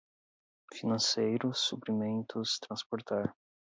financeiros, suprimentos, transportar